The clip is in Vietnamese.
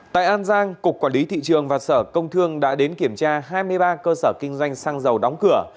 tại an giang cục quản lý thị trường và sở công thương đã đến kiểm tra hai mươi ba cơ sở kinh doanh xăng dầu đóng cửa